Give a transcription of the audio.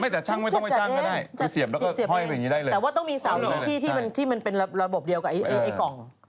แต่ว่าต้องมีเสาอยู่ที่มันเป็นระบบเดียวกับกล่อง